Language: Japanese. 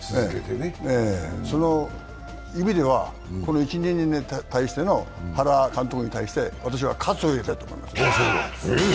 その意味では、この１２年に対しての原監督に対して私は喝を入れたいと思います。